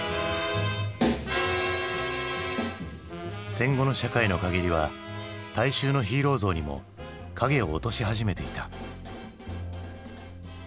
戦後の社会の陰りは大衆のヒーロー像にも影を落とし始めていた。